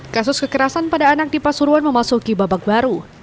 kasus kekerasan pada anak di pasuruan memasuki babak baru